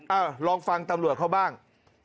ลองฟังตำรวจเขาบ้าง